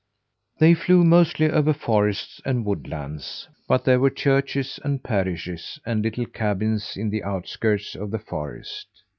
They flew mostly over forests and woodlands, but there were churches and parishes and little cabins in the outskirts of the forest.